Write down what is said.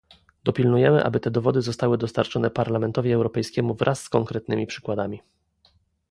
Dopilnujemy, aby te dowody zostały dostarczone Parlamentowi Europejskiemu wraz z konkretnymi przykładami